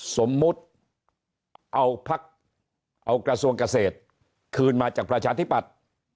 สมมุติเอากระทรวงเกษตรคืนมาจากประชาธิบัติ